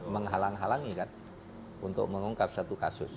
menghalang halangikan untuk mengungkap satu kasus